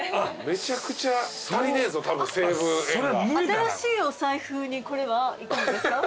新しいお財布にこれはいかがですか？